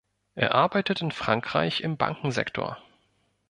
Er arbeitet in Frankreich im Bankensektor.